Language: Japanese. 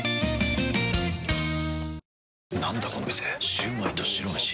シュウマイと白めし。